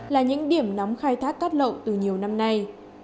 là những điểm nóng khai thác cát lậu từ nhiều năm nay